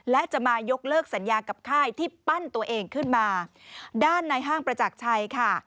และจะมายกเลิกสัญญากับค่ายที่ปั้นตัวเองขึ้นมาด้านในห้างประจักรชัยค่ะ